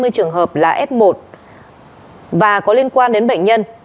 một trăm hai mươi trường hợp là f một và có liên quan đến bệnh nhân